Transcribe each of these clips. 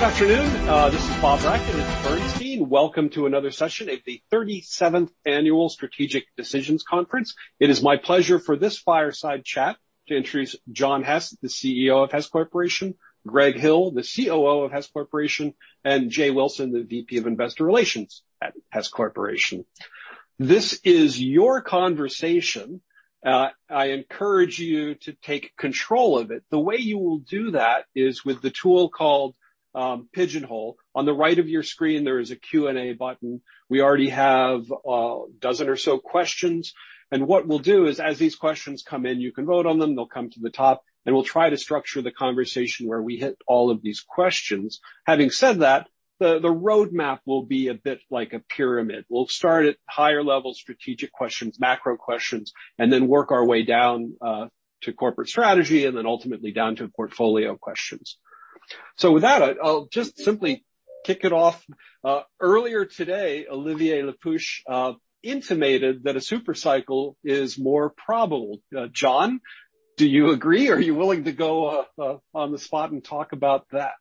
Good afternoon. This is Bob Brackett with Bernstein. Welcome to another session at the 37th Annual Strategic Decisions Conference. It is my pleasure for this fireside chat to introduce John Hess, the CEO of Hess Corporation, Greg Hill, the COO of Hess Corporation, and Jay R. Wilson, the VP of Investor Relations at Hess Corporation. This is your conversation. I encourage you to take control of it. The way you will do that is with the tool called Pigeonhole Live. On the right of your screen, there is a Q&A button. We already have a dozen or so questions, and what we'll do is as these questions come in, you can vote on them, they'll come to the top, and we'll try to structure the conversation where we hit all of these questions. Having said that, the roadmap will be a bit like a pyramid. We'll start at higher level strategic questions, macro questions, and then work our way down to corporate strategy, and then ultimately down to portfolio questions. With that, I'll just simply kick it off. Earlier today, Olivier Le Peuch intimated that a super cycle is more probable. John, do you agree? Are you willing to go up on the spot and talk about that?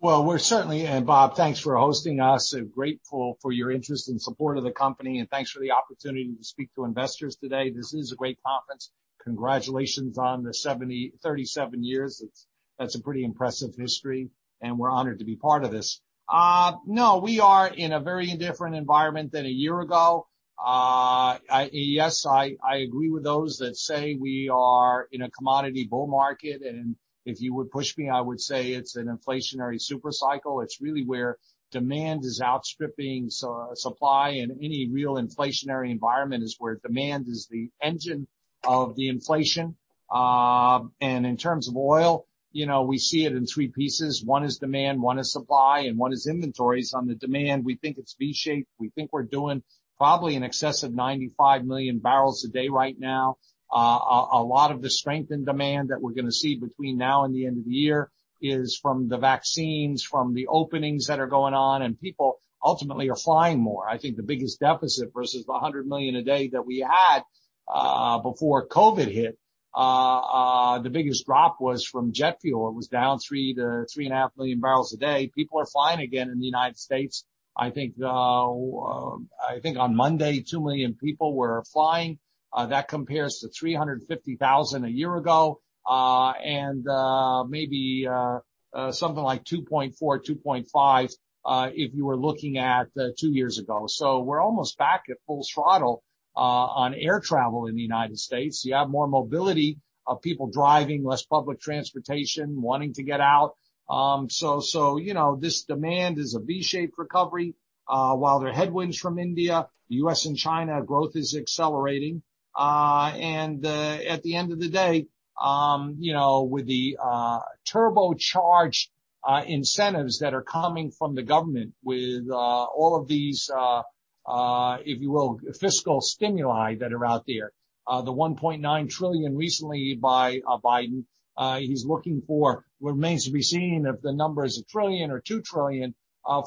Well, we're certainly in, Bob, thanks for hosting us. Grateful for your interest and support of the company, and thanks for the opportunity to speak to investors today. This is a great conference. Congratulations on the 37 years. That's a pretty impressive history, and we're honored to be part of this. No, we are in a very different environment than a year ago. Yes, I agree with those that say we are in a commodity bull market, and if you would push me, I would say it's an inflationary super cycle. It's really where demand is outstripping supply, and any real inflationary environment is where demand is the engine of the inflation. In terms of oil, we see it in three pieces. One is demand, one is supply, and one is inventories. On the demand, we think it's V-shaped. We think we're doing probably in excess of 95 million barrels a day right now. A lot of the strength in demand that we're going to see between now and the end of the year is from the vaccines, from the openings that are going on, and people ultimately are flying more. I think the biggest deficit versus the 100 million a day that we had before COVID hit, the biggest drop was from jet fuel. It was down three to three and a half million barrels a day. People are flying again in the States. I think on Monday, two million people were flying. That compares to 350,000 a year ago and maybe something like 2.4, 2.5, if you were looking at two years ago. We're almost back at full throttle on air travel in the United States. You have more mobility of people driving, less public transportation, wanting to get out. This demand is a V-shaped recovery. While there are headwinds from India, U.S. and China growth is accelerating. At the end of the day, with the turbocharged incentives that are coming from the government with all of these, if you will, fiscal stimuli that are out there. The $1.9 trillion recently by Biden, he's looking for what remains to be seen if the number is a $1 trillion or $2 trillion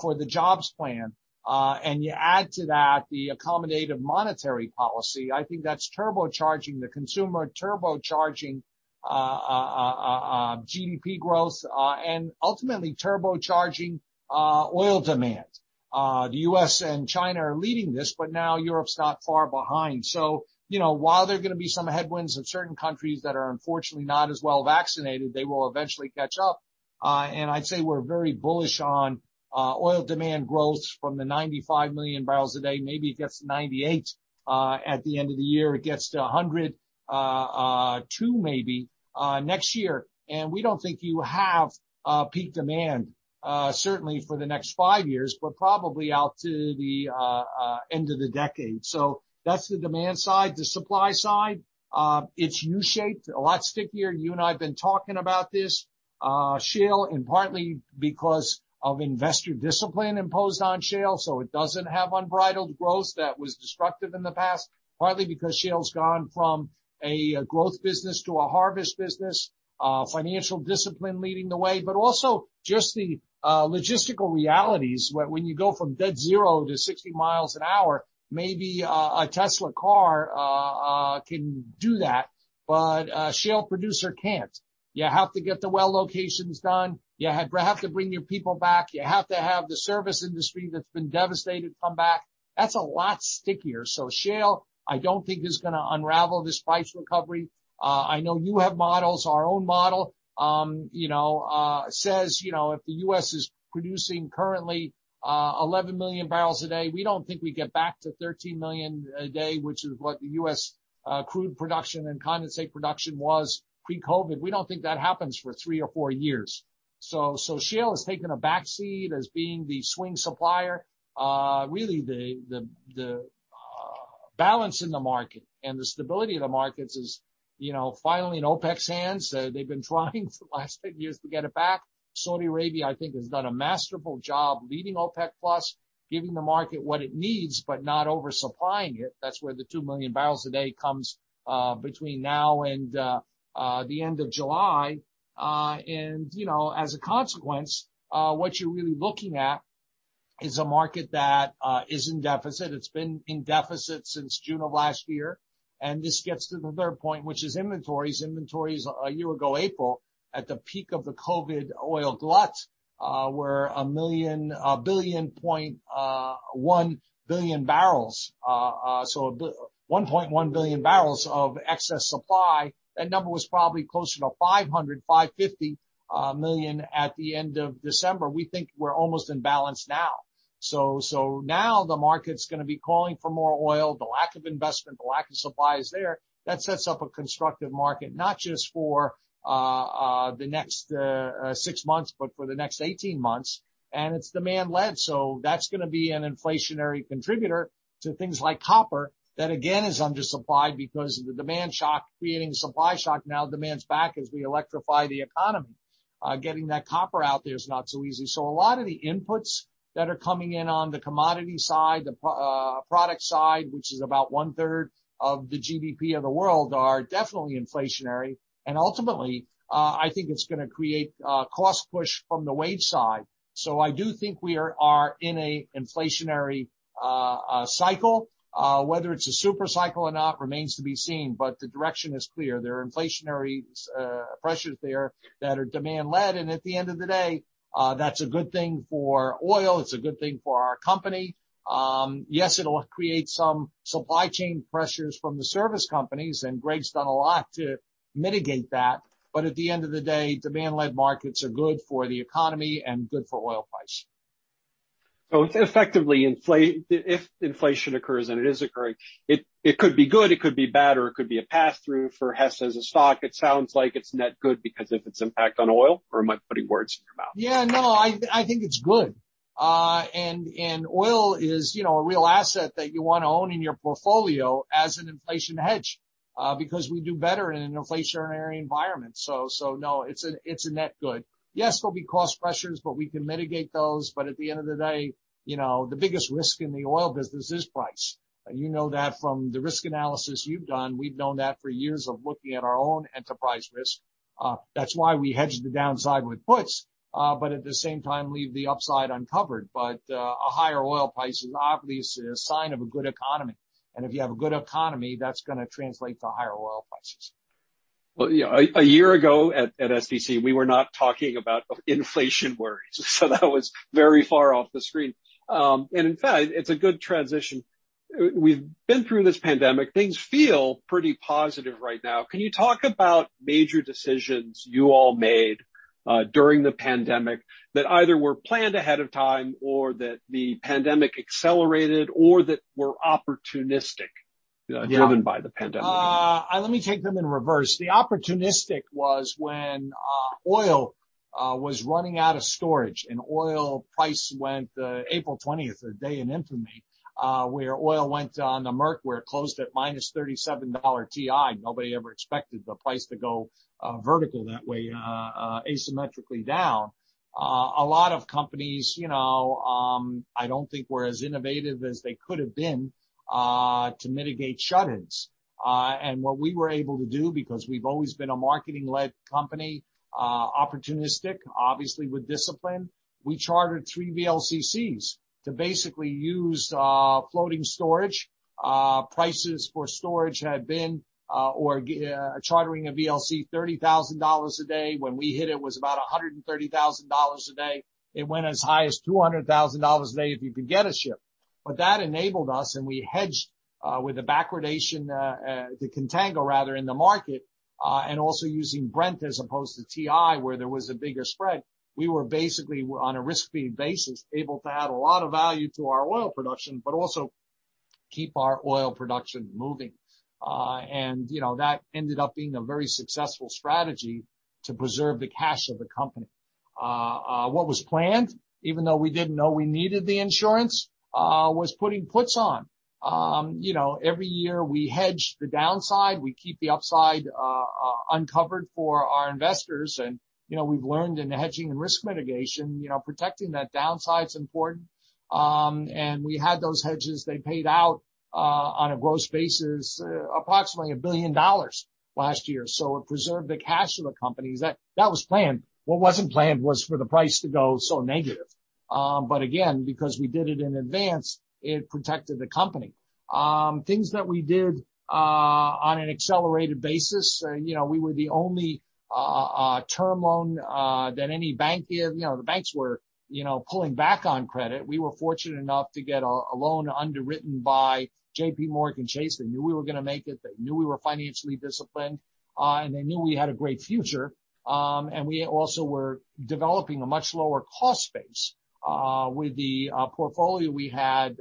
for the jobs plan. You add to that the accommodative monetary policy. I think that's turbocharging the consumer, turbocharging GDP growth, and ultimately turbocharging oil demand. The U.S. and China are leading this, but now Europe's not far behind. While there are going to be some headwinds in certain countries that are unfortunately not as well vaccinated, they will eventually catch up. I'd say we're very bullish on oil demand growth from the 95 million barrels a day, maybe it gets to 98 at the end of the year. It gets to 102 maybe next year. We don't think you have peak demand, certainly for the next five years, but probably out to the end of the decade. That's the demand side. The supply side, it's U-shaped, a lot stickier. You and I have been talking about this. Shale, and partly because of investor discipline imposed on shale, so it doesn't have unbridled growth that was destructive in the past, partly because shale's gone from a growth business to a harvest business, financial discipline leading the way. Also just the logistical realities when you go from dead zero to 60 miles an hour, maybe a Tesla car can do that, but a shale producer can't. You have to get the well locations done. You have to bring your people back. You have to have the service industry that's been devastated come back. That's a lot stickier. Shale, I don't think is going to unravel this price recovery. I know you have models. Our own model says if the U.S. is producing currently 11 million barrels a day, we don't think we get back to 13 million a day, which is what the U.S. crude production and condensate production was pre-COVID. We don't think that happens for three or four years. Shale has taken a backseat as being the swing supplier. Really, the balance in the market and the stability of the markets is finally in OPEC's hands. They've been trying for the last few years to get it back. Saudi Arabia, I think, has done a masterful job leading OPEC+, giving the market what it needs, but not oversupplying it. That's where the 2 million barrels a day comes between now and the end of July. As a consequence, what you're really looking at is a market that is in deficit. It's been in deficit since June of last year, and this gets to the third point, which is inventories. Inventories a year ago, April, at the peak of the COVID oil glut, were 1 billion barrels, so 1.1 billion barrels of excess supply. That number was probably closer to 500 million-550 million at the end of December. We think we're almost in balance now. Now the market's going to be calling for more oil. The lack of investment, the lack of supply is there. That sets up a constructive market, not just for the next 6 months, but for the next 18 months. It's demand led, that's going to be an inflationary contributor to things like copper that again is undersupplied because of the demand shock creating supply shock. Now demand's back as we electrify the economy. Getting that copper out there is not so easy. A lot of the inputs that are coming in on the commodity side, the product side, which is about one-third of the GDP of the world, are definitely inflationary. Ultimately, I think it's going to create a cost push from the wage side. I do think we are in an inflationary cycle. Whether it's a super cycle or not remains to be seen, the direction is clear. There are inflationary pressures there that are demand led, and at the end of the day, that's a good thing for oil. It's a good thing for our company. Yes, it'll create some supply chain pressures from the service companies, and Greg Hill done a lot to mitigate that. At the end of the day, demand led markets are good for the economy and good for oil prices. Effectively, if inflation occurs, and it is occurring, it could be good, it could be bad, or it could be a pass-through for Hess as a stock. It sounds like it's net good because of its impact on oil, or am I putting words in your mouth? Yeah, no, I think it's good. Oil is a real asset that you want to own in your portfolio as an inflation hedge, because we do better in an inflationary environment. No, it's a net good. Yes, there'll be cost pressures, but we can mitigate those, but at the end of the day, the biggest risk in the oil business is price. You know that from the risk analysis you've done. We've known that for years of looking at our own enterprise risk. That's why we hedge the downside with puts, but at the same time, leave the upside uncovered. A higher oil price is obviously a sign of a good economy, and if you have a good economy, that's going to translate to higher oil prices. Well, yeah. A year ago at SDC, we were not talking about inflation worries. That was very far off the screen. In fact, it's a good transition. We've been through this pandemic. Things feel pretty positive right now. Can you talk about major decisions you all made during the pandemic that either were planned ahead of time or that the pandemic accelerated, or that were opportunistic? Yeah driven by the pandemic? Let me take them in reverse. The opportunistic was when oil was running out of storage, and oil price went, April 20th, a day of infamy, where oil went on the NYMEX where it closed at -$37 WTI. Nobody ever expected the price to go vertical that way, asymmetrically down. A lot of companies I don't think were as innovative as they could've been to mitigate shut-ins. What we were able to do, because we've always been a marketing led company, opportunistic, obviously with discipline, we chartered 3 VLCCs to basically use floating storage. Prices for storage had been, or chartering a VLCC, $30,000 a day. When we hit it was about $130,000 a day. It went as high as $200,000 a day if you could get a ship. That enabled us, and we hedged with the backwardation, the contango rather, in the market, and also using Brent as opposed to WTI where there was a bigger spread. We were basically, on a risk-free basis, able to add a lot of value to our oil production, but also keep our oil production moving. That ended up being a very successful strategy to preserve the cash of the company. What was planned, even though we didn't know we needed the insurance, was putting puts on. Every year, we hedge the downside. We keep the upside uncovered for our investors, and we've learned in hedging and risk mitigation, protecting that downside's important. We had those hedges. They paid out, on a gross basis, approximately $1 billion last year. It preserved the cash of the company. That was planned. What wasn't planned was for the price to go so negative. Again, because we did it in advance, it protected the company. Things that we did on an accelerated basis, we were the only term loan that any bank did. The banks were pulling back on credit. We were fortunate enough to get a loan underwritten by JPMorgan Chase. They knew we were going to make it. They knew we were financially disciplined, and they knew we had a great future. We also were developing a much lower cost base. With the portfolio we had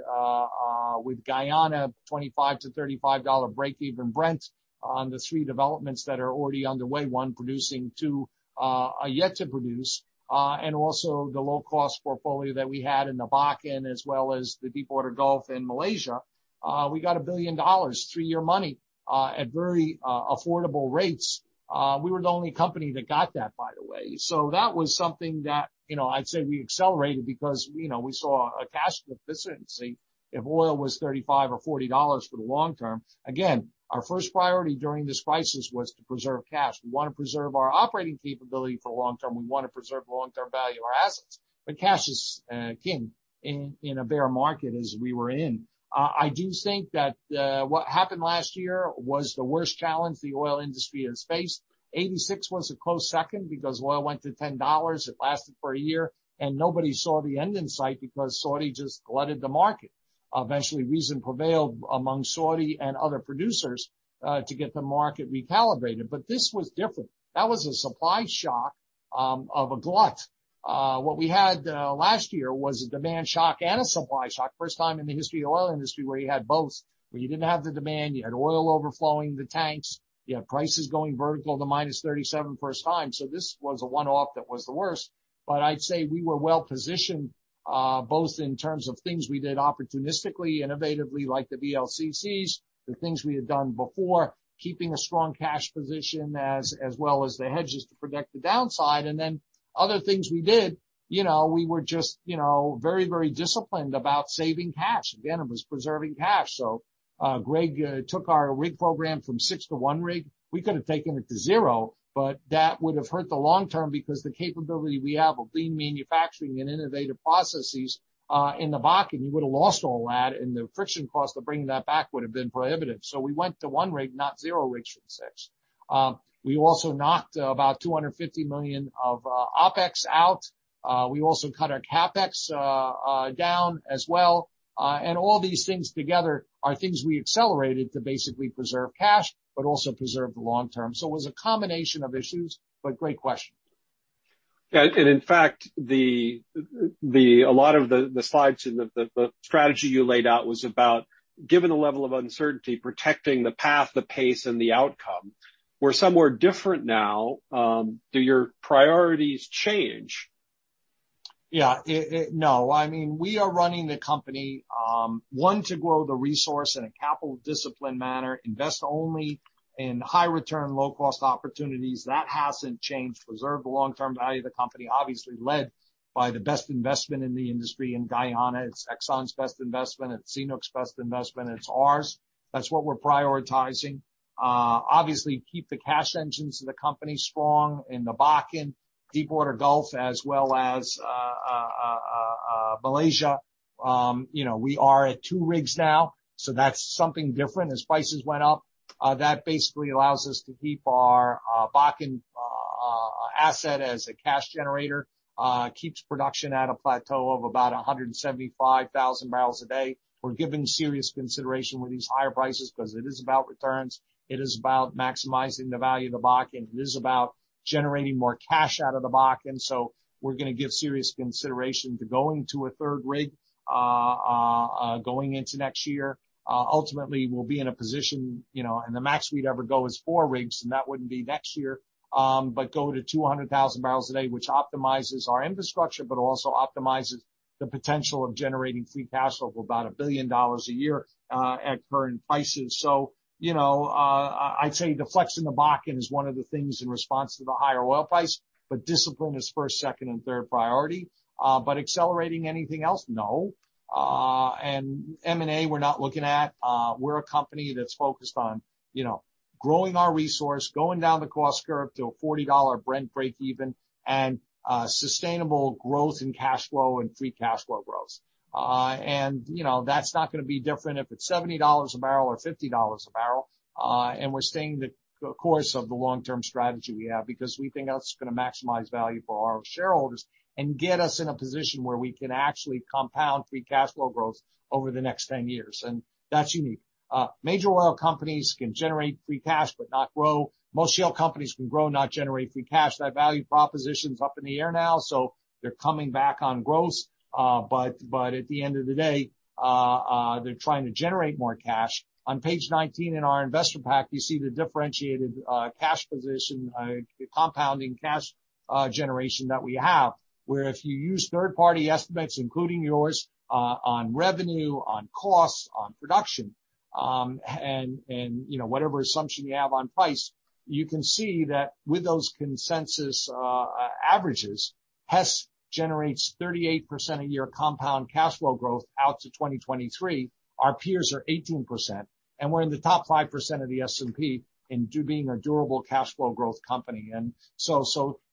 with Guyana, $25-$35 breakeven Brent on the three developments that are already underway, one producing, two are yet to produce. Also the low-cost portfolio that we had in the Bakken as well as the Deepwater Gulf and Malaysia. We got $1 billion, three-year money, at very affordable rates. We were the only company that got that, by the way. That was something that I'd say we accelerated because we saw a cash deficiency. If oil was $35 or $40 for the long term, again, our first priority during this crisis was to preserve cash. We want to preserve our operating capability for the long term. We want to preserve the long-term value of our assets, cash is king in a bear market as we were in. I do think that what happened last year was the worst challenge the oil industry has faced. 1986 was a close second because oil went to $10. It lasted for a year, nobody saw the end in sight because Saudi just flooded the market. Eventually, reason prevailed among Saudi and other producers to get the market recalibrated. This was different. That was a supply shock of a glut. What we had last year was a demand shock and a supply shock. First time in the history of the oil industry where you had both. Where you didn't have the demand, you had oil overflowing the tanks. You had prices going vertical to -$37 the first time. This was a one-off that was the worst. I'd say we were well-positioned, both in terms of things we did opportunistically, innovatively, like the VLCCs, the things we had done before, keeping a strong cash position as well as the hedges to protect the downside. Other things we did, we were just very disciplined about saving cash. Again, it was preserving cash. Greg took our rig program from six to one rig. We could have taken it to zero, but that would have hurt the long term because the capability we have of lean manufacturing and innovative processes in the Bakken, you would have lost all that, and the friction cost of bringing that back would have been prohibitive. We went to one rig, not zero rigs from six. We also knocked about $250 million of OpEx out. We also cut our CapEx down as well. All these things together are things we accelerated to basically preserve cash, but also preserve the long term. It was a combination of issues, but great question. In fact, a lot of the slides and the strategy you laid out was about giving a level of uncertainty, protecting the path, the pace, and the outcome. We're somewhere different now. Do your priorities change? No, we are running the company, one, to grow the resource in a capital-disciplined manner, invest only in high-return, low-cost opportunities. That hasn't changed. Preserve the long-term value of the company, obviously led by the best investment in the industry in Guyana. It's Exxon's best investment. It's Sinopec's best investment. It's ours. That's what we're prioritizing. Keep the cash engines of the company strong in the Bakken, Deepwater Gulf, as well as Malaysia. We are at two rigs now, that's something different as prices went up. That basically allows us to keep our Bakken asset as a cash generator. Keeps production at a plateau of about 175,000 barrels a day. We're giving serious consideration with these higher prices because it is about returns. It is about maximizing the value of the Bakken. It is about generating more cash out of the Bakken. We're going to give serious consideration to going to a third rig going into next year. Ultimately, we'll be in a position, and the max we'd ever go is four rigs, and that wouldn't be next year. Go to 200,000 barrels a day, which optimizes our infrastructure, but also optimizes the potential of generating free cash flow of about $1 billion a year at current prices. I'd say the flex in the Bakken is one of the things in response to the higher oil price, but discipline is first, second, and third priority. Accelerating anything else, no. M&A, we're not looking at. We're a company that's focused on growing our resource, going down the cost curve to a $40 Brent breakeven, and sustainable growth in cash flow and free cash flow growth. That's not going to be different if it's $70 a barrel or $50 a barrel. We're staying the course of the long-term strategy we have because we think that's going to maximize value for our shareholders and get us in a position where we can actually compound free cash flow growth over the next 10 years. That's unique. Major oil companies can generate free cash but not grow. Most shale companies can grow, not generate free cash. That value proposition's up in the air now, so they're coming back on growth. At the end of the day, they're trying to generate more cash. On page 19 in our investor pack, you see the differentiated cash position, the compounding cash generation that we have, where if you use third-party estimates, including yours on revenue, on costs, on production, and whatever assumption you have on price. You can see that with those consensus averages, Hess generates 38% a year compound cash flow growth out to 2023. Our peers are 18%, and we're in the top 5% of the S&P in being a durable cash flow growth company.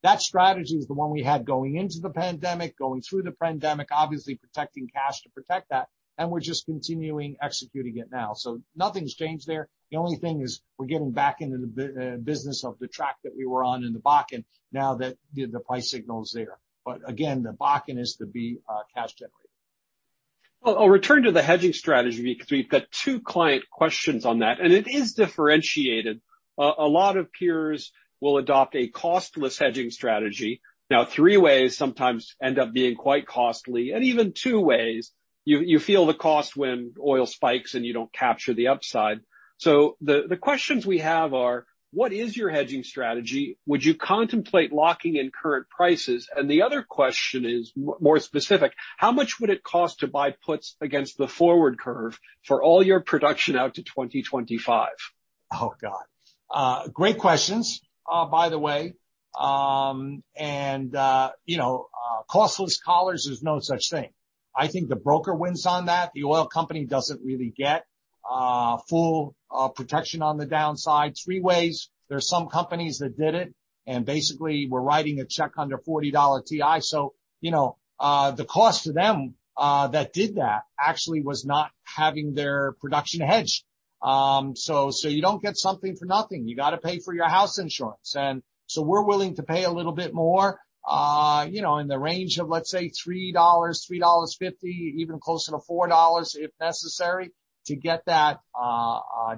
That strategy is the one we had going into the pandemic, going through the pandemic, obviously protecting cash to protect that, and we're just continuing executing it now. Nothing's changed there. The only thing is we're getting back into the business of the track that we were on in the Bakken now that the price signal is there. Again, the Bakken is the key cash generator. I'll return to the hedging strategy because we've got two client questions on that, and it is differentiated. A lot of peers will adopt a costless hedging strategy. Three-ways sometimes end up being quite costly. Even two ways, you feel the cost when oil spikes, and you don't capture the upside. The questions we have are. What is your hedging strategy? Would you contemplate locking in current prices? The other question is more specific. How much would it cost to buy puts against the forward curve for all your production out to 2025? Oh, God. Great questions, by the way. Costless collars, there's no such thing. I think the broker wins on that. The oil company doesn't really get full protection on the downside. Three ways, there are some companies that did it, and basically were writing a check under $40 WTI. The cost to them that did that actually was not having their production hedged. You don't get something for nothing. You got to pay for your house insurance. We're willing to pay a little bit more, in the range of, let's say, $3, $3.50, even closer to $4 if necessary to get that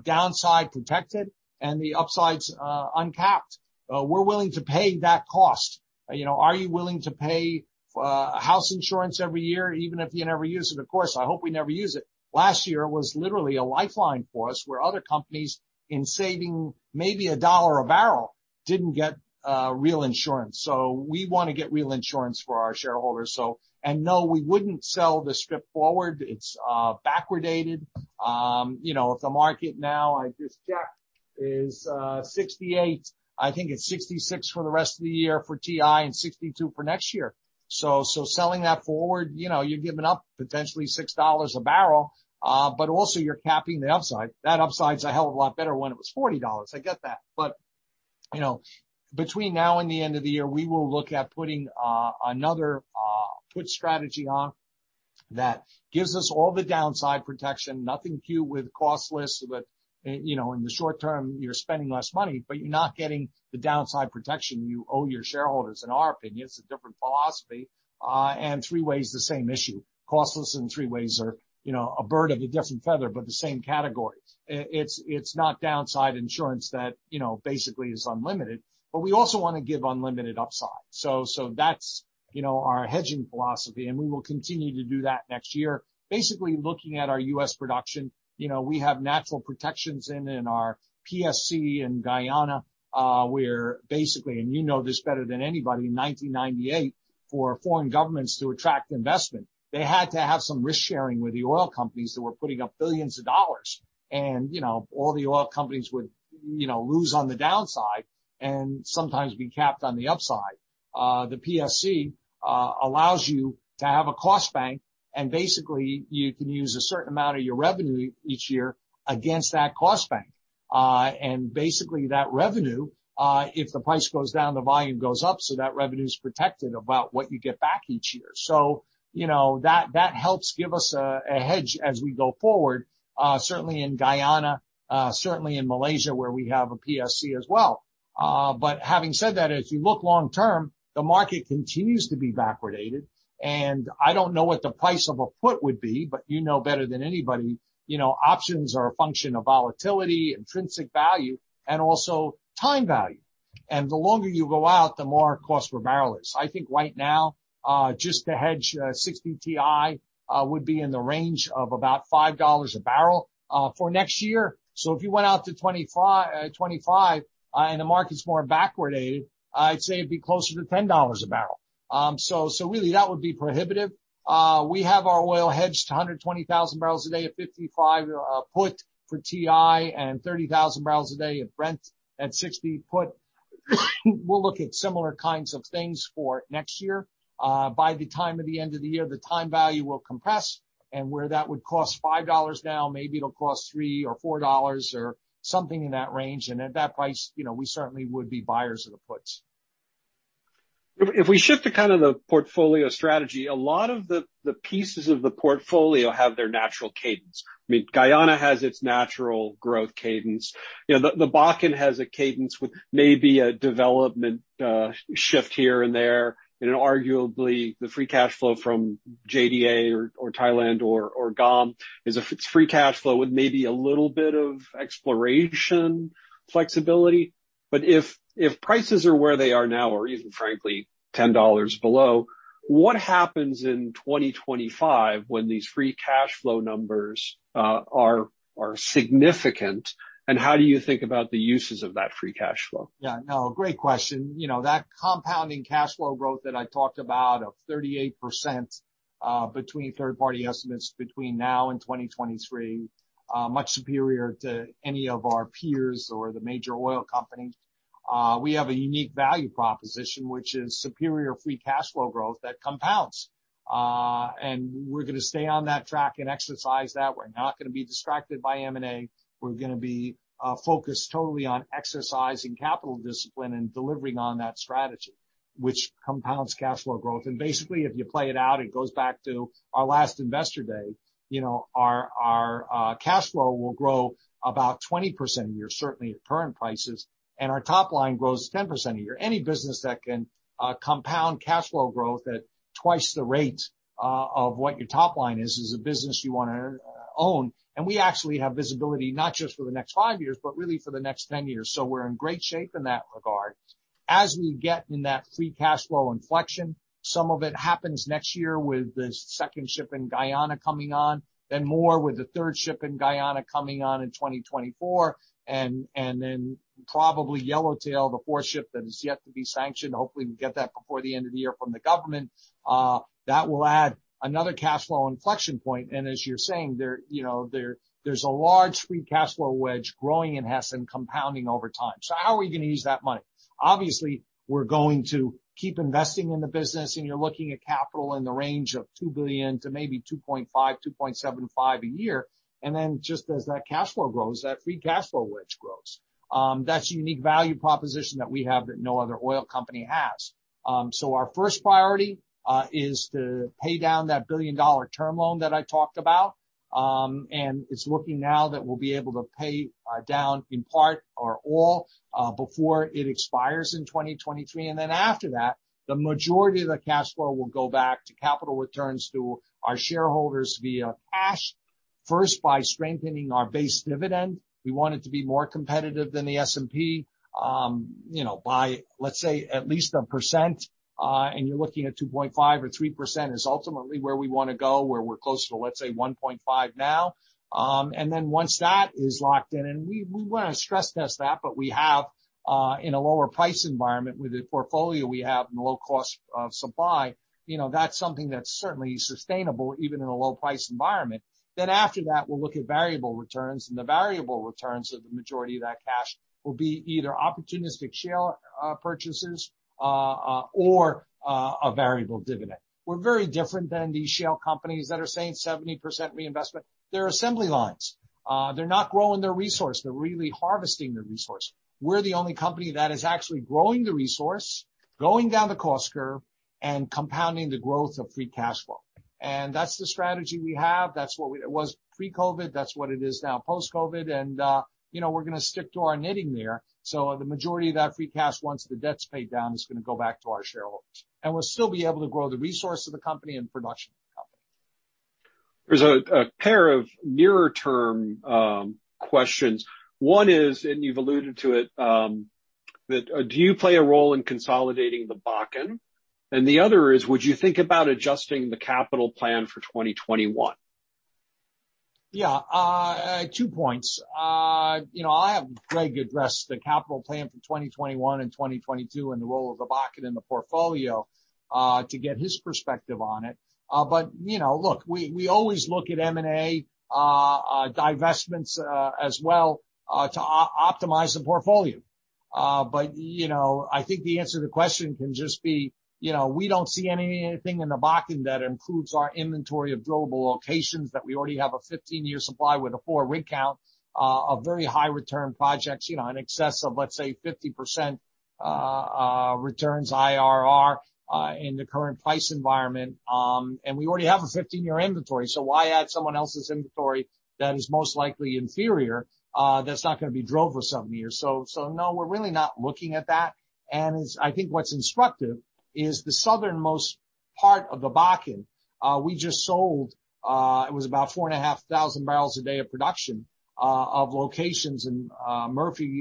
downside protected and the upsides uncapped. We're willing to pay that cost. Are you willing to pay house insurance every year even if you never use it? Of course, I hope we never use it. Last year was literally a lifeline for us, where other companies, in saving maybe $1 a barrel, didn't get real insurance. We want to get real insurance for our shareholders. No, we wouldn't sell this strip forward. It's backwardated. The market now, I just checked, is $68. I think it's $66 for the rest of the year for WTI and $62 for next year. Selling that forward, you're giving up potentially $6 a barrel, but also you're capping the upside. That upside's a hell of a lot better when it was $40. I get that. Between now and the end of the year, we will look at putting another put strategy on that gives us all the downside protection. Nothing cute with costless. In the short term, you're spending less money, but you're not getting the downside protection you owe your shareholders, in our opinion. It's a different philosophy. Three-way is the same issue. Costless and three-ways are a bird of a different feather, but the same category. It's not downside insurance that basically is unlimited. We also want to give unlimited upside. That's our hedging philosophy, and we will continue to do that next year. Basically, looking at our US production, we have natural protections in our PSC in Guyana, where basically, and you know this better than anybody, in 1998, for foreign governments to attract investment, they had to have some risk-sharing with the oil companies that were putting up $ billions. All the oil companies would lose on the downside and sometimes be capped on the upside. The PSC allows you to have a cost bank, and basically, you can use a certain amount of your revenue each year against that cost bank. Basically, that revenue, if the price goes down, the volume goes up, so that revenue's protected about what you get back each year. That helps give us a hedge as we go forward. Certainly in Guyana, certainly in Malaysia where we have a PSC as well. Having said that, if you look long term, the market continues to be backwardated, and I don't know what the price of a put would be, but you know better than anybody, options are a function of volatility, intrinsic value, and also time value. The longer you go out, the more it costs per barrel is. I think right now, just to hedge $60 WTI would be in the range of about $5 a barrel for next year. If you went out to 2025 and the market's more backwardated, I'd say it'd be closer to $10 a barrel. Really, that would be prohibitive. We have our oil hedged to 120,000 barrels a day at $55 put for WTI and 30,000 barrels a day at Brent at $60 put. We'll look at similar kinds of things for it next year. By the time of the end of the year, the time value will compress, and where that would cost $5 now, maybe it'll cost $3 or $4 or something in that range. At that price, we certainly would be buyers of the puts. If we shift to kind of the portfolio strategy, a lot of the pieces of the portfolio have their natural cadence. I mean, Guyana has its natural growth cadence. The Bakken has a cadence with maybe a development shift here and there. Arguably, the free cash flow from JDA or Thailand or Guyana is a free cash flow with maybe a little bit of exploration flexibility. If prices are where they are now or even frankly $10 below, what happens in 2025 when these free cash flow numbers are significant, and how do you think about the uses of that free cash flow? Yeah. No, great question. That compounding cash flow growth that I talked about of 38% between third-party estimates between now and 2023, much superior to any of our peers or the major oil companies. We have a unique value proposition, which is superior free cash flow growth that compounds. We're going to stay on that track and exercise that. We're not going to be distracted by M&A. We're going to be focused totally on exercising capital discipline and delivering on that strategy, which compounds cash flow growth. Basically, if you play it out, it goes back to our last investor day. Our cash flow will grow about 20% a year, certainly at current prices, and our top line grows 10% a year. Any business that can compound cash flow growth at twice the rate of what your top line is a business you want to own. We actually have visibility not just for the next five years, but really for the next 10 years. We're in great shape in that regard. As we get in that free cash flow inflection, some of it happens next year with the second ship in Guyana coming on, then more with the third ship in Guyana coming on in 2024, then probably Yellowtail, the fourth ship that is yet to be sanctioned. Hopefully, we can get that before the end of the year from the government. That will add another cash flow inflection point. As you're saying, there's a large free cash flow wedge growing in Hess and compounding over time. How are we going to use that money? Obviously, we're going to keep investing in the business, and you're looking at capital in the range of $2 billion to maybe $2.5 billion, $2.75 billion a year. Just as that cash flow grows, that free cash flow wedge grows. That's a unique value proposition that we have that no other oil company has. Our first priority is to pay down that $1 billion term loan that I talked about. And it's looking now that we'll be able to pay down in part or all before it expires in 2023. After that, the majority of the cash flow will go back to capital returns to our shareholders via cash, first by strengthening our base dividend. We want it to be more competitive than the S&P, by let's say at least 1%, and you're looking at 2.5% or 3% is ultimately where we want to go, where we're close to, let's say, 1.5% now. Once that is locked in, and we want to stress test that, but we have, in a lower price environment with the portfolio we have and low-cost supply, that's something that's certainly sustainable even in a low-price environment. After that, we'll look at variable returns, and the variable returns of the majority of that cash will be either opportunistic shale purchases or a variable dividend. We're very different than these shale companies that are saying 70% reinvestment. They're assembly lines. They're not growing their resource. They're really harvesting the resource. We're the only company that is actually growing the resource, going down the cost curve, and compounding the growth of free cash flow. That's the strategy we have. That's what it was pre-COVID. That's what it is now post-COVID. We're going to stick to our knitting there. The majority of that free cash, once the debt's paid down, is going to go back to our shareholders. We'll still be able to grow the resource of the company and production of the company. There's a pair of nearer-term questions. One is, and you've alluded to it, that do you play a role in consolidating the Bakken? The other is, would you think about adjusting the capital plan for 2021? Yeah. Two points. I'll have Greg address the capital plan for 2021 and 2022 and the role of the Bakken in the portfolio to get his perspective on it. Look, we always look at M&A divestments as well to optimize the portfolio. I think the answer to the question can just be, we don't see anything in the Bakken that improves our inventory of drillable locations that we already have a 15-year supply with a four rig count of very high return projects, in excess of, let's say, 50% returns IRR in the current price environment. We already have a 15-year inventory, so why add someone else's inventory that is most likely inferior that's not going to be drilled for seven years? No, we're really not looking at that. I think what's instructive is the southernmost part of the Bakken. We just sold, it was about 4,500 barrels a day of production of locations in Murphy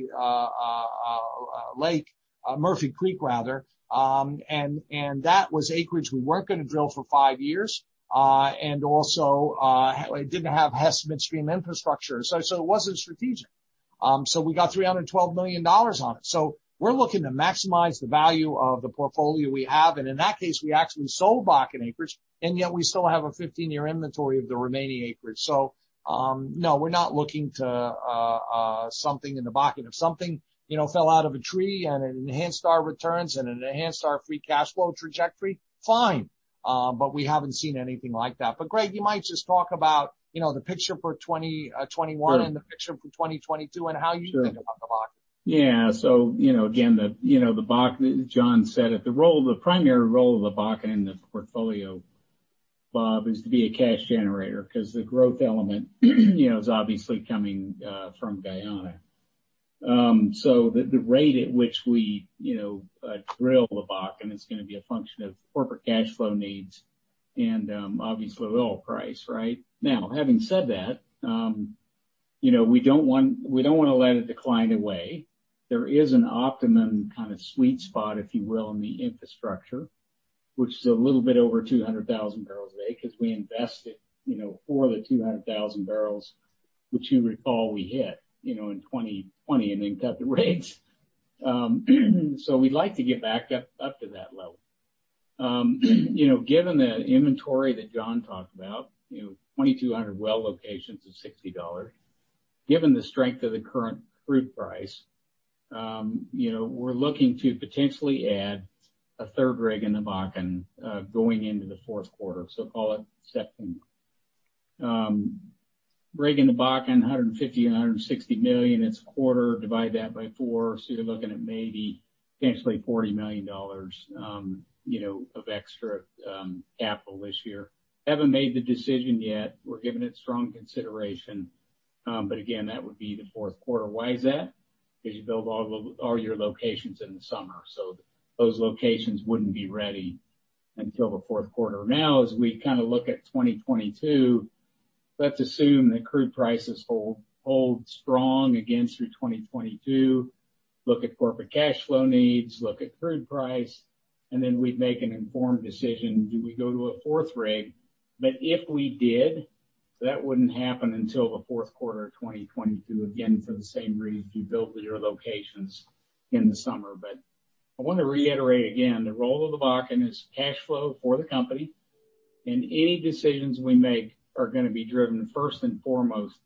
Creek. That was acreage we weren't going to drill for five years. Also, it didn't have Hess-administered infrastructure. It wasn't strategic. We got $312 million on it. We're looking to maximize the value of the portfolio we have. In that case, we actually sold Bakken acreage, and yet we still have a 15-year inventory of the remaining acreage. No, we're not looking to something in the Bakken. If something fell out of a tree and it enhanced our returns and it enhanced our free cash flow trajectory, fine. We haven't seen anything like that. Greg, you might just talk about the picture for 2021 and the picture for 2022 and how you think about the Bakken. Sure. Yeah. Again, the Bakken, as John said, the primary role of the Bakken in the portfolio, Bob, is to be a cash generator because the growth element is obviously coming from Guyana. The rate at which we drill the Bakken is going to be a function of corporate cash flow needs and obviously oil price, right? Now, having said that, we don't want to let it decline away. There is an optimum kind of sweet spot, if you will, in the infrastructure, which is a little bit over 200,000 barrels a day because we invested for the 200,000 barrels, which you recall we hit in 2020 and then cut the rigs. We'd like to get back up to that level. Given the inventory that John talked about, 2,200 well locations at $60, given the strength of the current crude price, we're looking to potentially add a third rig in the Bakken going into the fourth quarter, call it second half. Rig in the Bakken, $150 million, $160 million, it's a quarter, divide that by four, you're looking at maybe potentially $40 million of extra capital this year. Haven't made the decision yet. We're giving it strong consideration. Again, that would be the fourth quarter. Why is that? You build all your locations in the summer, those locations wouldn't be ready until the fourth quarter. As we kind of look at 2022, let's assume that crude prices hold strong against your 2022, look at corporate cash flow needs, look at crude price, we'd make an informed decision. Do we go to a fourth rig? If we did, that wouldn't happen until the fourth quarter of 2022, again, for the same reason you build your locations in the summer. I want to reiterate again, the role of the Bakken is cash flow for the company, and any decisions we make are going to be driven first and foremost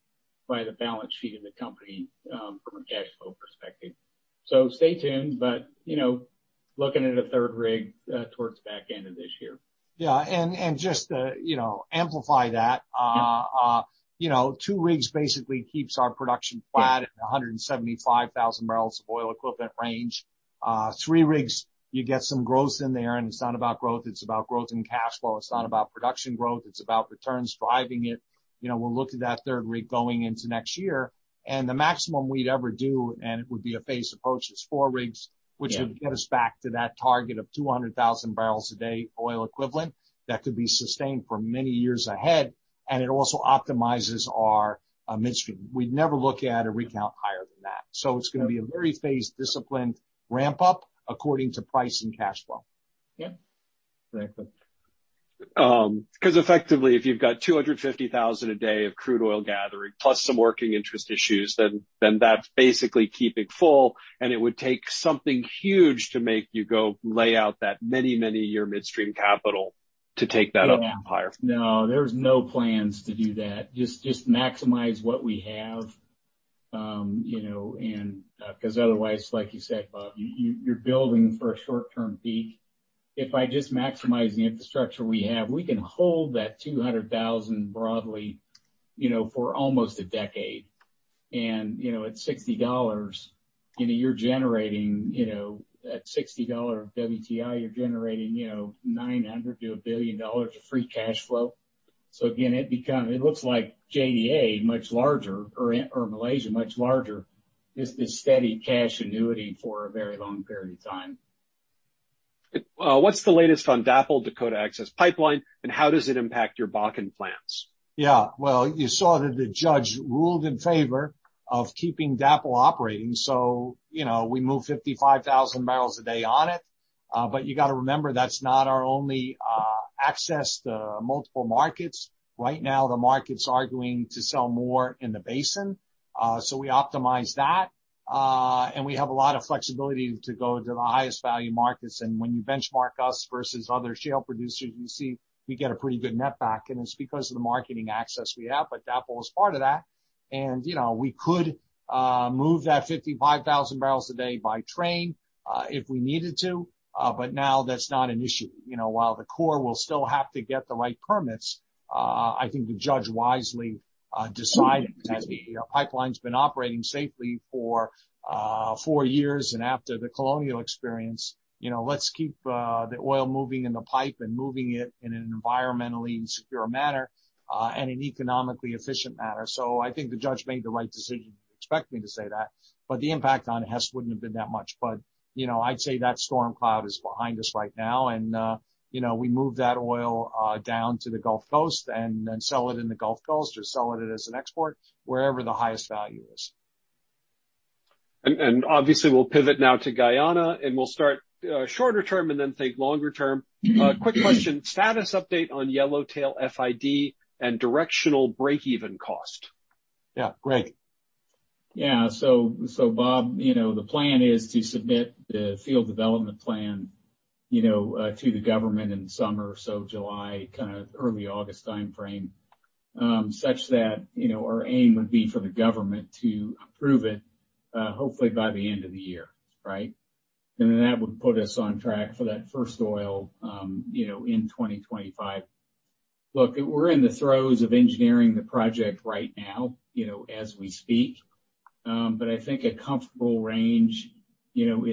by the balance sheet of the company from a cash flow perspective. Stay tuned. Looking at a third rig towards the back end of this year. Yeah. Yeah Two rigs basically keeps our production flat at 175,000 barrels of oil equivalent range. Three rigs, you get some growth in there. It's not about growth, it's about growth and cash flow. It's not about production growth, it's about returns driving it. We'll look at that third rig going into next year. The maximum we'd ever do, and it would be a phased approach, is four rigs. Yeah which would get us back to that target of 200,000 barrels a day oil equivalent that could be sustained for many years ahead, and it also optimizes our midstream. We'd never look at a rig count higher than that. It's going to be a very phased, disciplined ramp-up according to price and cash flow. Yeah. Very good. Effectively, if you've got 200,000 a day of crude oil gathering, plus some working interest issues, then that's basically keeping full, and it would take something huge to make you go lay out that many year midstream capital to take that up higher. No. There's no plans to do that. Just maximize what we have. Otherwise, like you said, Bob, you're building for a short-term peak. If I just maximize the infrastructure we have, we can hold that 200,000 broadly, for almost a decade. At $60 WTI, you're generating $900 to $1 billion of free cash flow. Again, it looks like JDA much larger or Malaysia much larger, just this steady cash annuity for a very long period of time. What's the latest on DAPL Dakota Access Pipeline, and how does it impact your Bakken plans? Well, you saw that the judge ruled in favor of keeping DAPL operating. We move 55,000 barrels a day on it. You got to remember, that's not our only access to multiple markets. Right now, the market's arguing to sell more in the basin. We optimize that. We have a lot of flexibility to go to the highest value markets. When you benchmark us versus other shale producers, you see we get a pretty good net back, and it's because of the marketing access we have, but DAPL is part of that. We could move that 55,000 barrels a day by train if we needed to. Now that's not an issue. While the corp will still have to get the right permits, I think the judge wisely decided that the pipeline's been operating safely for four years, and after the Colonial experience, let's keep the oil moving in the pipe and moving it in an environmentally and secure manner, and an economically efficient manner. I think the judge made the right decision. You'd expect me to say that. The impact on Hess wouldn't have been that much. I'd say that storm cloud is behind us right now, and we move that oil down to the Gulf Coast and then sell it in the Gulf Coast or sell it as an export, wherever the highest value is. Obviously, we'll pivot now to Guyana, and we'll start shorter term and then think longer term. Quick question, status update on Yellowtail FID and directional breakeven cost? Yeah. Great. Yeah. Bob, the plan is to submit the field development plan to the government in summer, July, early August timeframe, such that our aim would be for the government to approve it, hopefully by the end of the year. Right. That would put us on track for that first oil in 2025. Look, we're in the throes of engineering the project right now, as we speak. I think a comfortable range is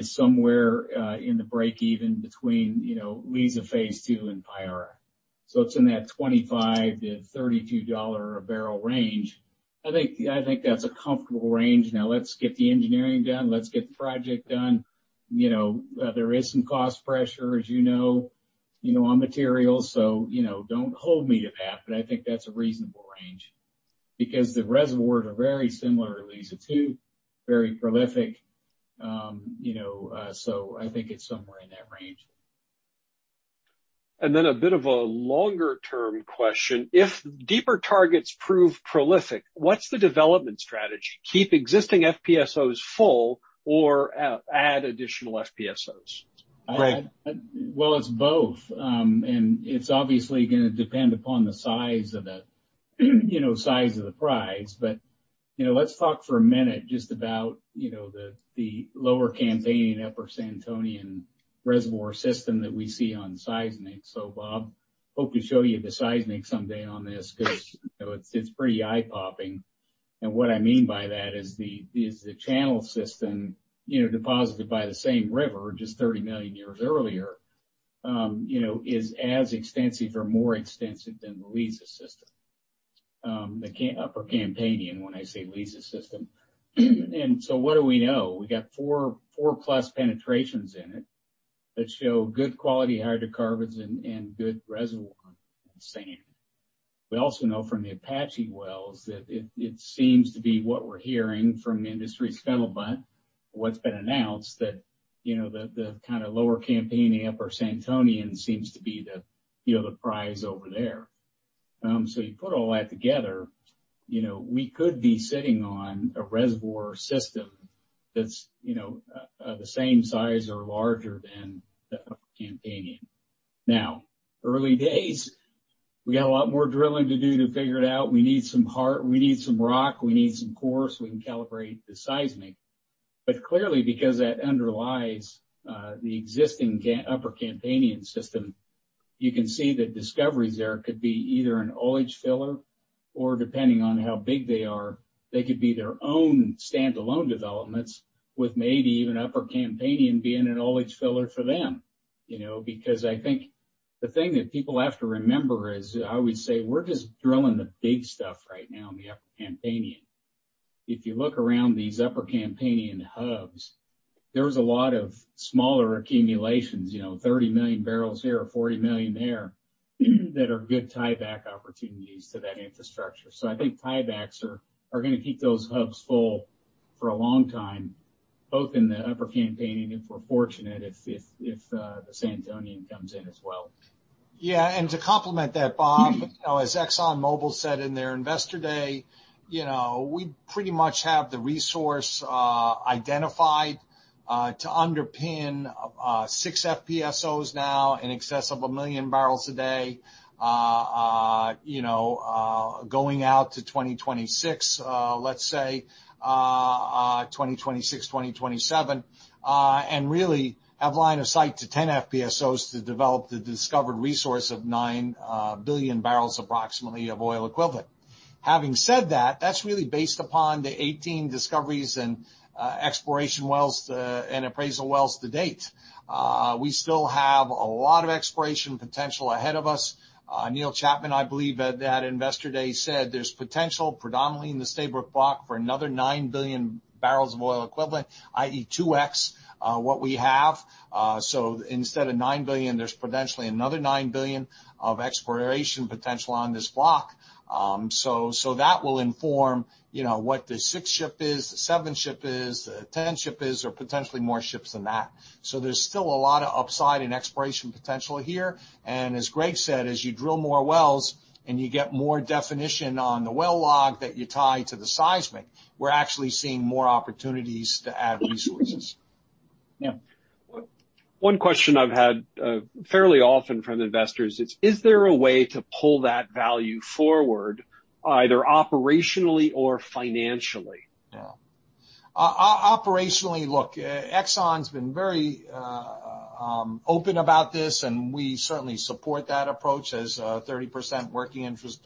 somewhere in the breakeven between Liza Phase 2 and Payara. It's in that $25-$32 a barrel range. I think that's a comfortable range. Let's get the engineering done. Let's get the project done. There is some cost pressure, as you know, on materials. Don't hold me to that, but I think that's a reasonable range. The reservoirs are very similar to Liza 2, very prolific. I think it's somewhere in that range. A bit of a longer-term question. If deeper targets prove prolific, what's the development strategy? Keep existing FPSOs full or add additional FPSOs? Great. Well, it's both. It's obviously going to depend upon the size of the prize. Let's talk for a minute just about the Lower Campanian, Upper Santonian reservoir system that we see on seismic. Bob Brackett, hope to show you the seismic someday on this because it's pretty eye-popping. What I mean by that is the channel system deposited by the same river just 30 million years earlier, is as extensive or more extensive than the Liza system. The Upper Campanian when I say Liza system. What do we know? We got four plus penetrations in it that show good quality hydrocarbons and good reservoir and sand. We also know from the Apache wells that it seems to be what we're hearing from industry scuttlebutt or what's been announced that the kind of Lower Campanian, Upper Santonian seems to be the prize over there. You put all that together, we could be sitting on a reservoir system that's the same size or larger than the Upper Campanian. Early days. We got a lot more drilling to do to figure it out. We need some rock, we need some cores, we can calibrate the seismic. Clearly, because that underlies the existing Upper Campanian system, you can see the discoveries there could be either an ullage filler or, depending on how big they are, they could be their own standalone developments with maybe even Upper Campanian being an ullage filler for them. I think the thing that people have to remember is, I always say, we're just drilling the big stuff right now in the Upper Campanian. If you look around these Upper Campanian hubs, there's a lot of smaller accumulations, 30 million barrels here or 40 million there, that are good tieback opportunities to that infrastructure. I think tiebacks are going to keep those hubs full for a long time, both in the Upper Campanian, if we're fortunate, if the Santonian comes in as well. To complement that, Bob, as ExxonMobil said in their investor day, we pretty much have the resource identified to underpin six FPSOs now in excess of a million barrels a day going out to 2026, let's say 2026, 2027. Really have line of sight to 10 FPSOs to develop the discovered resource of nine billion barrels approximately of oil equivalent. Having said that's really based upon the 18 discoveries in exploration and appraisal wells to date. We still have a lot of exploration potential ahead of us. Neil Chapman, I believe at that investor day said there's potential predominantly in the Stabroek Block for another nine billion barrels of oil equivalent, i.e., 2x what we have. Instead of nine billion, there's potentially another nine billion of exploration potential on this block. That will inform what the sixth ship is, the seventh ship is, the 10th ship is, or potentially more ships than that. There's still a lot of upside in exploration potential here. As Greg said, as you drill more wells and you get more definition on the well log that you tie to the seismic, we're actually seeing more opportunities to add resources. Yeah. One question I've had fairly often from investors is: Is there a way to pull that value forward, either operationally or financially? Yeah. Operationally, look, Exxon's been very open about this, and we certainly support that approach as a 30% working interest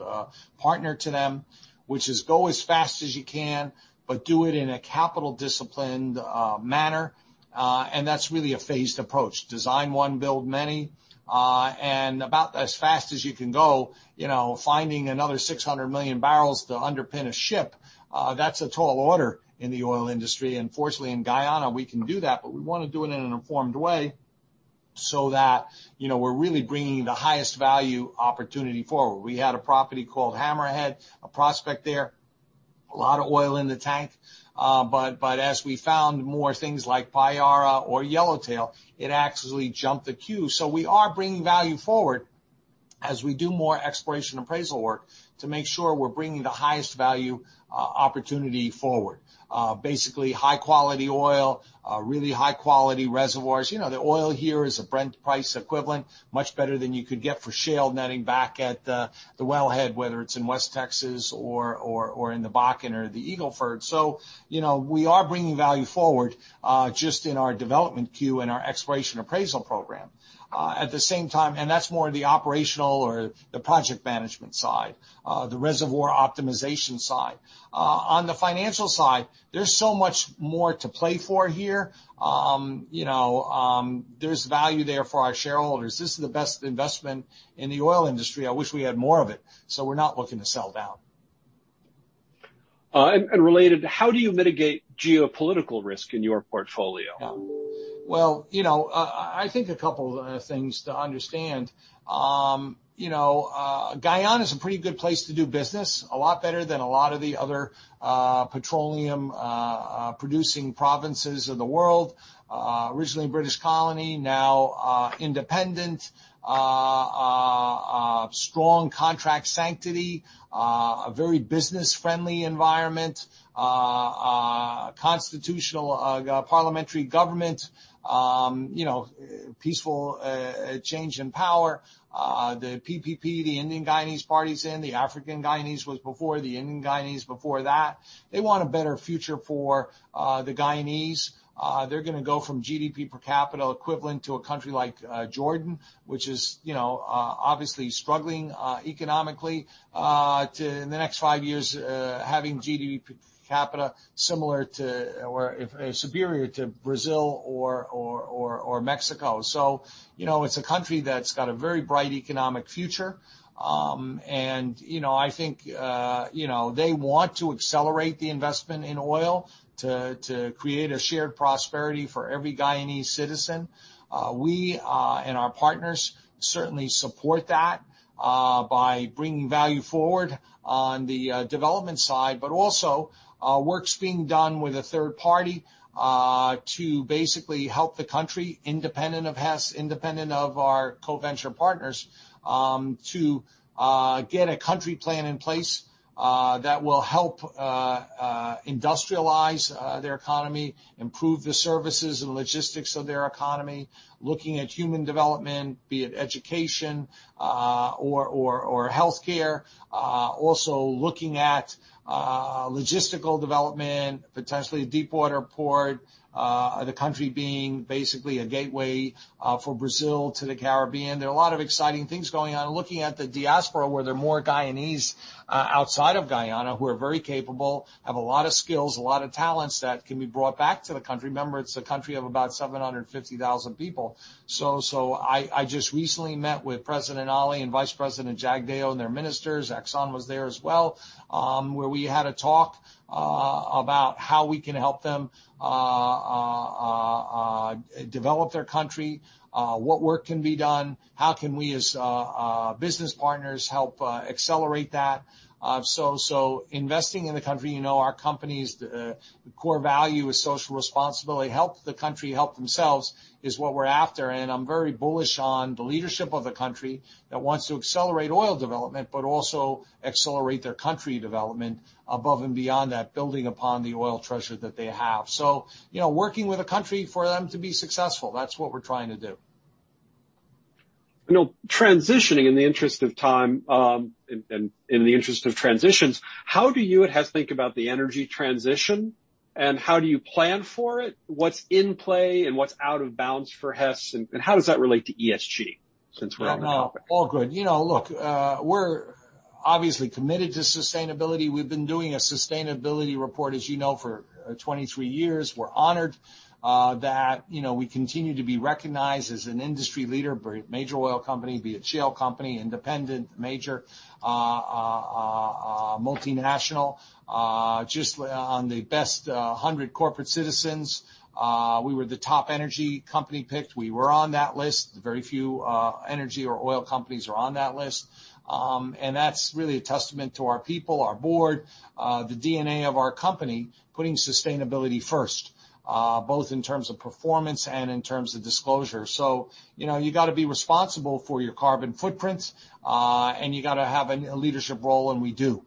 partner to them, which is go as fast as you can, but do it in a capital disciplined manner. That's really a phased approach. Design one, build many. About as fast as you can go, finding another 600 million barrels to underpin a ship, that's a tall order in the oil industry. Fortunately, in Guyana, we can do that, but we want to do it in an informed way so that we're really bringing the highest value opportunity forward. We had a property called Hammerhead, a prospect there, a lot of oil in the tank. As we found more things like Payara or Yellowtail, it actually jumped the queue. We are bringing value forward as we do more exploration appraisal work to make sure we're bringing the highest value opportunity forward. Basically, high quality oil, really high quality reservoirs. The oil here is a Brent price equivalent, much better than you could get for shale netting back at the wellhead, whether it's in West Texas or in the Bakken or the Eagle Ford. We are bringing value forward, just in our development queue and our exploration appraisal program. At the same time, and that's more the operational or the project management side, the reservoir optimization side. On the financial side, there's so much more to play for here. There's value there for our shareholders. This is the best investment in the oil industry. I wish we had more of it, so we're not looking to sell down. Related, how do you mitigate geopolitical risk in your portfolio? Yeah. Well, I think a couple of things to understand. Guyana is a pretty good place to do business, a lot better than a lot of the other petroleum producing provinces of the world. Originally a British colony, now independent. Strong contract sanctity, a very business-friendly environment. Constitutional parliamentary government. Peaceful change in power. The PPP, the Indian Guyanese party is in. The African Guyanese was before. The Indian Guyanese before that. They want a better future for the Guyanese. They're going to go from GDP per capita equivalent to a country like Jordan, which is obviously struggling economically, to in the next five years, having GDP per capita similar to or superior to Brazil or Mexico. It's a country that's got a very bright economic future. I think they want to accelerate the investment in oil to create a shared prosperity for every Guyanese citizen. We, and our partners certainly support that by bringing value forward on the development side. Also, work's being done with a third party to basically help the country, independent of Hess, independent of our co-venture partners, to get a country plan in place that will help industrialize their economy, improve the services and logistics of their economy, looking at human development, be it education or healthcare. Also looking at logistical development, potentially deepwater port, the country being basically a gateway for Brazil to the Caribbean. There are a lot of exciting things going on. Looking at the diaspora, where there are more Guyanese outside of Guyana who are very capable, have a lot of skills, a lot of talents that can be brought back to the country. Remember, it's a country of about 750,000 people. I just recently met with President Ali and Vice President Jagdeo and their ministers. Exxon was there as well, where we had a talk about how we can help them develop their country. What work can be done? How can we as business partners help accelerate that? Investing in the country, our company's core value is social responsibility. Help the country help themselves is what we're after. I'm very bullish on the leadership of a country that wants to accelerate oil development, but also accelerate their country development above and beyond that, building upon the oil treasure that they have. Working with a country for them to be successful, that's what we're trying to do. Transitioning in the interest of time, and in the interest of transitions, how do you at Hess think about the energy transition, and how do you plan for it? What's in play, and what's out of bounds for Hess, and how does that relate to ESG since we're in a public company? Good. We're obviously committed to sustainability. We've been doing a sustainability report, as you know, for 23 years. We're honored that we continue to be recognized as an industry leader, be it major oil company, be it shale company, independent, major, multinational. Just on the best 100 corporate citizens, we were the top energy company picked. We were on that list. Very few energy or oil companies are on that list. That's really a testament to our people, our board, the DNA of our company, putting sustainability first, both in terms of performance and in terms of disclosure. You got to be responsible for your carbon footprints, and you got to have a leadership role, and we do.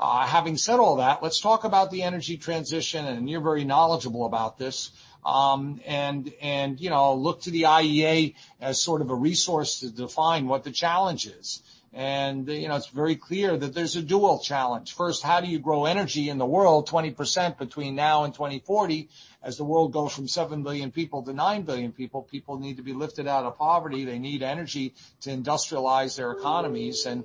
Having said all that, let's talk about the energy transition, and you're very knowledgeable about this. Look to the IEA as sort of a resource to define what the challenge is. It's very clear that there's a dual challenge. First, how do you grow energy in the world 20% between now and 2040 as the world goes from 7 billion people to 9 billion people? People need to be lifted out of poverty. They need energy to industrialize their economies and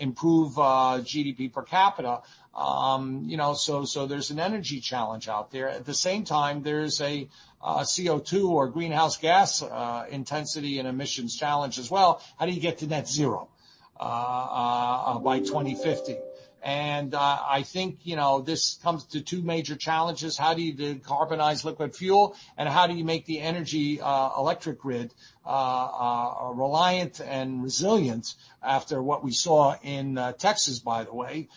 improve GDP per capita. There's an energy challenge out there. At the same time, there is a CO2 or greenhouse gas intensity and emissions challenge as well. How do you get to net zero by 2050? I think this comes to two major challenges. How do you decarbonize liquid fuel, and how do you make the energy electric grid reliant and resilient after what we saw in Texas, by the way,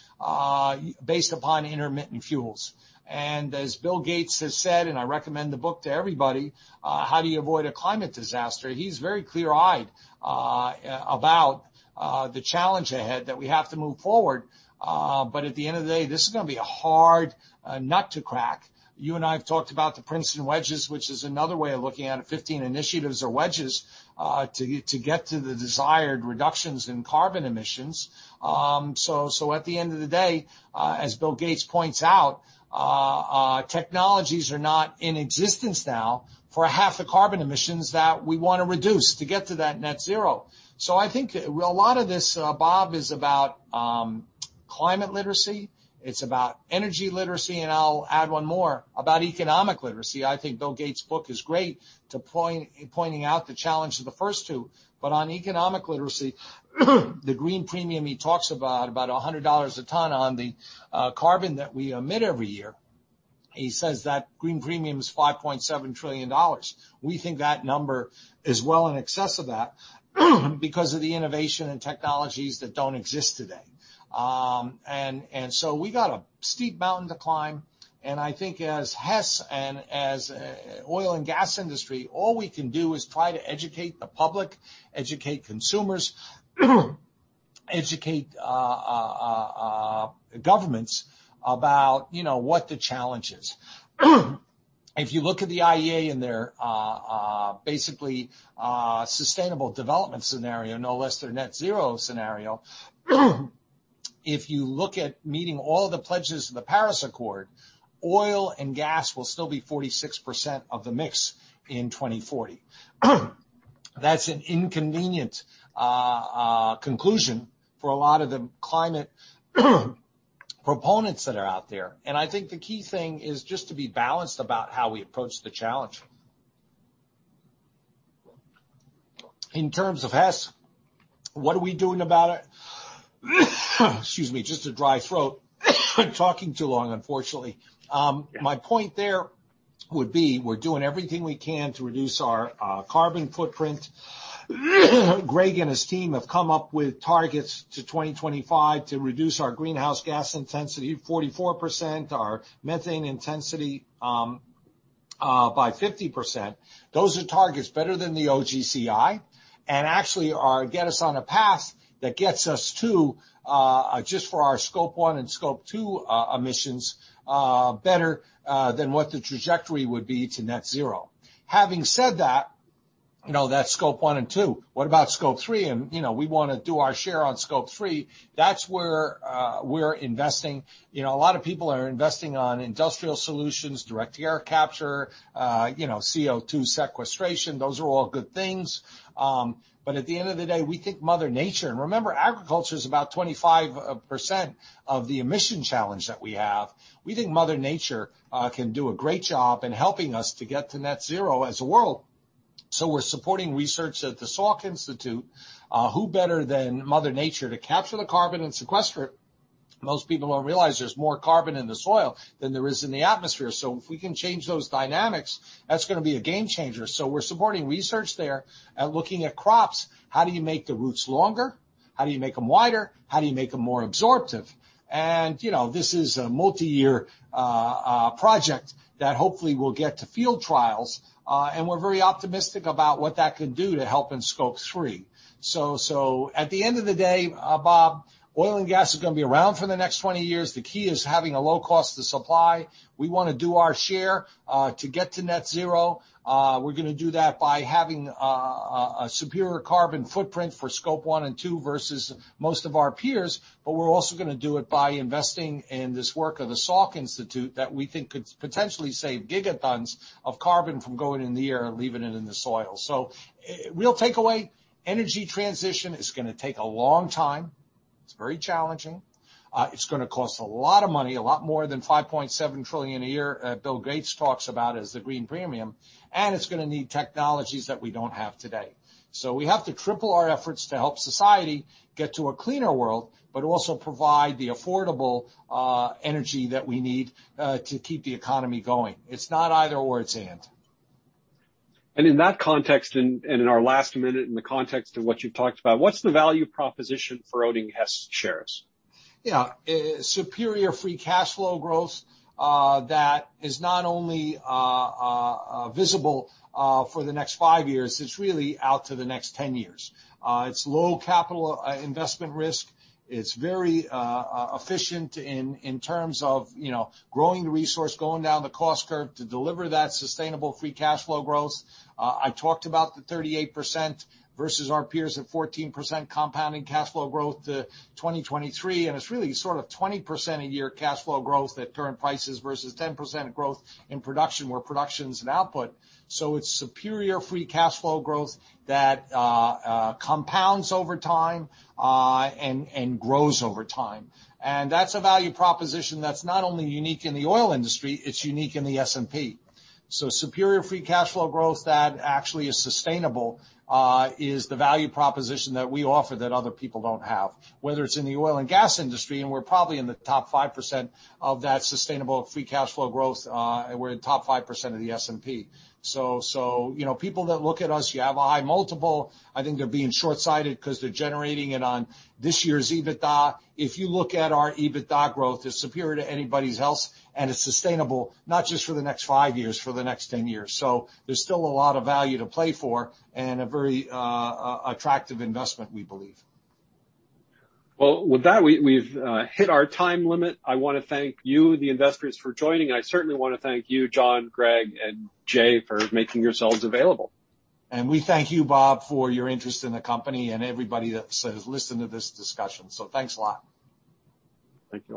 based upon intermittent fuels? As Bill Gates has said, and I recommend the book to everybody, "How do you avoid a climate disaster?" He's very clear-eyed about the challenge ahead that we have to move forward. At the end of the day, this is going to be a hard nut to crack. You and I have talked about the Princeton wedges, which is another way of looking at it, 15 initiatives or wedges to get to the desired reductions in carbon emissions. At the end of the day, as Bill Gates points out, technologies are not in existence now for half the carbon emissions that we want to reduce to get to that net zero. I think a lot of this, Bob, is about climate literacy. It's about energy literacy. I'll add one more about economic literacy. I think Bill Gates' book is great to pointing out the challenge of the first two. On economic literacy, the green premium he talks about $100 a ton on the carbon that we emit every year. He says that green premium is $5.7 trillion. We think that number is well in excess of that because of the innovation and technologies that don't exist today. We got a steep mountain to climb. I think as Hess and as oil and gas industry, all we can do is try to educate the public, educate consumers, educate governments about what the challenge is. If you look at the IEA and their basically sustainable development scenario, no less their net zero scenario, if you look at meeting all the pledges of the Paris Agreement, oil and gas will still be 46% of the mix in 2040. That's an inconvenient conclusion for a lot of the climate proponents that are out there. I think the key thing is just to be balanced about how we approach the challenge. In terms of Hess, what are we doing about it? Excuse me, just a dry throat. Talking too long, unfortunately. My point there would be we're doing everything we can to reduce our carbon footprint. Greg and his team have come up with targets to 2025 to reduce our greenhouse gas intensity 44%, our methane intensity by 50%. Those are targets better than the OGCI, and actually get us on a path that gets us to, just for our scope one and scope two emissions, better than what the trajectory would be to net zero. Having said that's scope one and two. What about scope three? We want to do our share on scope three. That's where we're investing. A lot of people are investing on industrial solutions, direct air capture, CO2 sequestration. Those are all good things. At the end of the day, we think Mother Nature. Remember, agriculture is about 25% of the emission challenge that we have. We think Mother Nature can do a great job in helping us to get to net zero as a world. We're supporting research at the Salk Institute. Who better than Mother Nature to capture the carbon and sequester it? Most people don't realize there's more carbon in the soil than there is in the atmosphere. If we can change those dynamics, that's going to be a game changer. We're supporting research there and looking at crops. How do you make the roots longer? How do you make them wider? How do you make them more absorptive? This is a multi-year project that hopefully will get to field trials. We're very optimistic about what that can do to help in Scope 3. At the end of the day, Bob, oil and gas are going to be around for the next 20 years. The key is having a low cost of supply. We want to do our share to get to net zero. We're going to do that by having a superior carbon footprint for Scope 1 and 2 versus most of our peers, but we're also going to do it by investing in this work of the Salk Institute that we think could potentially save gigatons of carbon from going in the air and leaving it in the soil. Real takeaway, energy transition is going to take a long time. It's very challenging. It's going to cost a lot of money, a lot more than $5.7 trillion a year that Bill Gates talks about as the green premium. It's going to need technologies that we don't have today. We have to triple our efforts to help society get to a cleaner world, but also provide the affordable energy that we need to keep the economy going. It's not either/or, it's and. In that context, and in our last minute, in the context of what you talked about, what's the value proposition for owning Hess shares? Yeah. Superior free cash flow growth that is not only visible for the next five years, it's really out to the next 10 years. It's low capital investment risk. It's very efficient in terms of growing the resource, going down the cost curve to deliver that sustainable free cash flow growth. I talked about the 38% versus our peers at 14% compounding cash flow growth to 2023. It's really sort of 20% a year cash flow growth at current prices versus 10% growth in production, where production is an output. It's superior free cash flow growth that compounds over time and grows over time. That's a value proposition that's not only unique in the oil industry, it's unique in the S&P. Superior free cash flow growth that actually is sustainable is the value proposition that we offer that other people don't have, whether it's in the oil and gas industry, and we're probably in the top 5% of that sustainable free cash flow growth, and we're in the top 5% of the S&P. People that look at us, you have a high multiple. I think they're being shortsighted because they're generating it on this year's EBITDA. If you look at our EBITDA growth, it's superior to anybody's else, and it's sustainable, not just for the next five years, for the next 10 years. There's still a lot of value to play for and a very attractive investment, we believe. Well, with that, we've hit our time limit. I want to thank you and the investors for joining. I certainly want to thank you, John, Greg, and Jay, for making yourselves available. We thank you, Bob, for your interest in the company and everybody that has listened to this discussion. Thanks a lot. Thank you.